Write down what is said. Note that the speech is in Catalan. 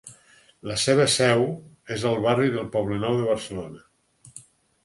La seva seu és al barri del Poblenou de Barcelona.